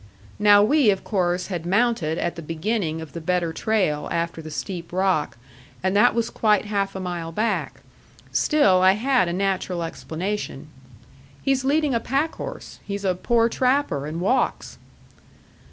Now we, of course, had mounted at the beginning of the better trail after the steep rock, and that was quite half a mile back. Still, I had a natural explanation. "He's leading a packhorse. He's a poor trapper, and walks."